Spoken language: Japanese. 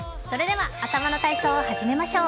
頭の体操を始めましょう。